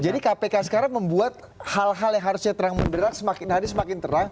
jadi kpk sekarang membuat hal hal yang harusnya terang menderat semakin hari semakin terang